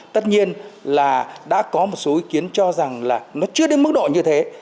tất nhiên là đã có một số ý kiến cho rằng là nó chưa đến mức độ như thế